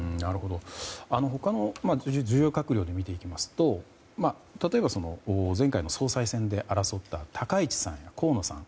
他の重要閣僚で見ていきますと例えば前回の総裁選で争った高市さんや河野さん